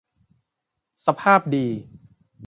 สภาพดี